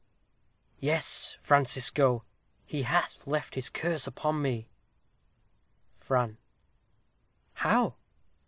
_ Yes, Francisco, He hath left his curse upon me. Fran. How?